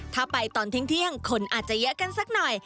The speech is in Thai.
ถ้าไปตอนเที่ยงคนอาจจะเยอะกันสักหน่อย